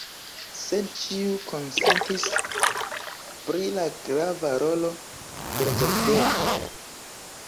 Sed ĉiu konsentis pri la grava rolo de la ĝardenoj.